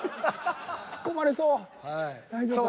ツッコまれそう。